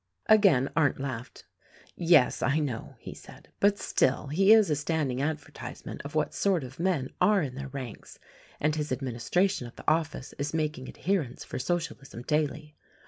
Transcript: Again Arndt laughed. "Yes, I know," he said. "But still he is a standing advertisement of what sort of men are in their ranks — and his administration of the office is making adherents for Socialism daily.